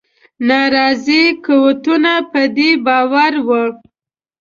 ناراضي قوتونه په دې باور وه.